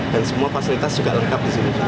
dan semua fasilitas juga lengkap di sini juga